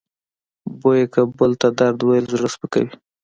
بویه که بل ته درد ویل زړه سپکوي.